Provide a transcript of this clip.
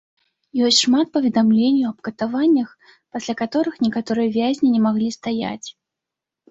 Ёсць шмат паведамленняў аб катаваннях, пасля каторых некаторыя вязні не маглі стаяць.